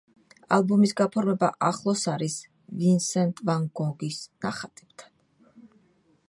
ალბომის გაფორმება ახლოს არის ვინსენტ ვან გოგის ნახატებთან.